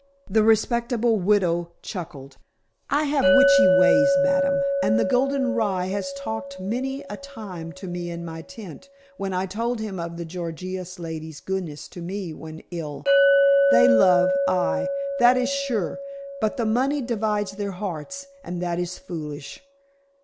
The respectable widow chuckled. "I have witchly ways, ma'am, and the golden rye has talked many a time to me in my tent, when I told him of the Gorgious lady's goodness to me when ill. They love aye, that is sure but the money divides their hearts, and that is foolish.